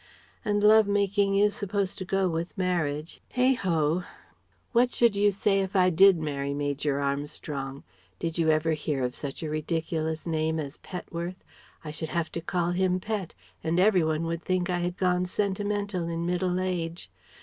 And love making is supposed to go with marriage ... heigh ho! What should you say if I did marry Major Armstrong...? Did you ever hear of such a ridiculous name as Petworth? I should have to call him 'Pet' and every one would think I had gone sentimental in middle age.